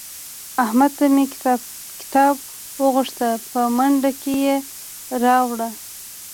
احمد نه مې کتاب وغوښت په منډه کې یې راوړ.